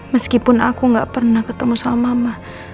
meskipun aku gak pernah ketemu sama mama